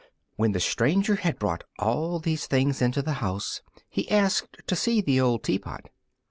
When the stranger had brought all these things into the house, he asked to see the old teapot.